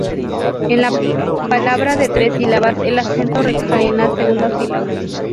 En palabra de tres sílabas el acento recae en la segunda sílaba.